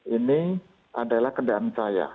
ini adalah kendaraan saya